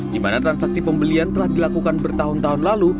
di mana transaksi pembelian telah dilakukan bertahun tahun lalu